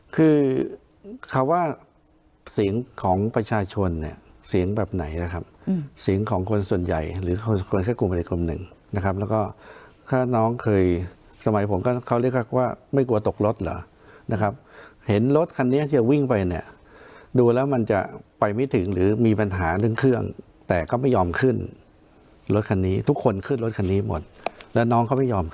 คือคำว่าเสียงของประชาชนเนี่ยเสียงแบบไหนนะครับเสียงของคนส่วนใหญ่หรือคนแค่กลุ่มใดกลุ่มหนึ่งนะครับแล้วก็ถ้าน้องเคยสมัยผมก็เขาเรียกว่าไม่กลัวตกรถเหรอนะครับเห็นรถคันนี้จะวิ่งไปเนี่ยดูแล้วมันจะไปไม่ถึงหรือมีปัญหาเรื่องเครื่องแต่ก็ไม่ยอมขึ้นรถคันนี้ทุกคนขึ้นรถคันนี้หมดแล้วน้องเขาไม่ยอม